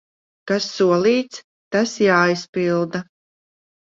Kas solīts, tas jāizpilda.